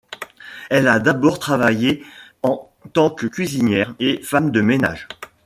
Elle a d'abord travaillé en tant que cuisinière et femme de ménage.